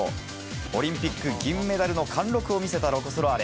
オリンピック銀メダルの貫禄を見せたロコ・ソラーレ。